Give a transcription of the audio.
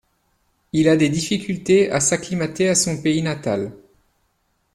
Il a des difficultés à s'acclimater à son pays natal.